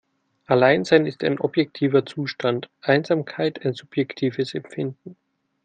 Alleinsein ist ein objektiver Zustand, Einsamkeit ein subjektives Empfinden.